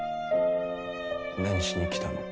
何しに来たの？